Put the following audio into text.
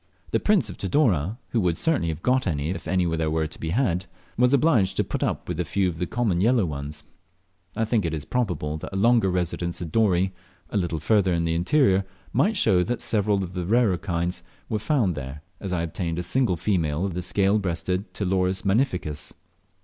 The Prince of Tidore, who would certainly have got them if any were to be had, was obliged to put up with a few of the common yellow ones. I think it probable that a longer residence at Dorey, a little farther in the interior, might show that several of the rarer kinds were found there, as I obtained a single female of the fine scale breasted Ptiloris magnificus.